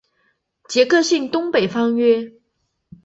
杰克逊东北方约。